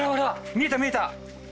見えた見えた！